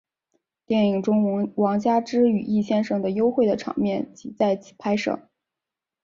电影中王佳芝与易先生的幽会的场面即在此拍摄。